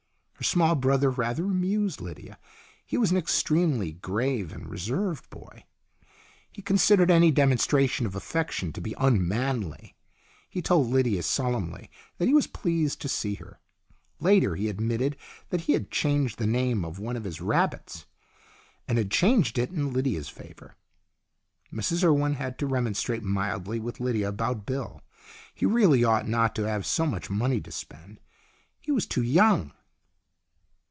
Her small brother rather amused Lydia. He was an extremely grave and reserved boy. He considered any demonstration of affection to be unmanly. He told Lydia solemnly that he was pleased to see her. Later he admitted that he had changed the name of one of his rabbits, and had changed it in Lydia's favour. Mrs Urwen had to re monstrate mildly with Lydia about Bill. He really ought not to have so much money to spend. He was too young.